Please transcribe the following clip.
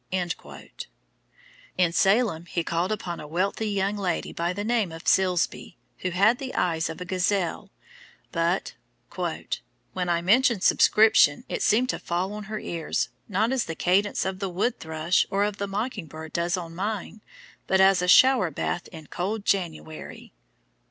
"_ In Salem he called upon a wealthy young lady by the name of Silsby, who had the eyes of a gazelle, but "when I mentioned subscription it seemed to fall on her ears, not as the cadence of the wood thrush, or of the mocking bird does on mine, but as a shower bath in cold January."